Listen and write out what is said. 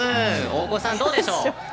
大越さん、どうでしょう？